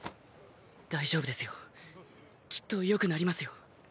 大丈夫ですよ。きっと良くなりますよ。